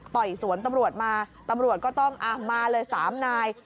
ยสวนตำรวจมาตำรวจก็ต้องมาเลย๓นาย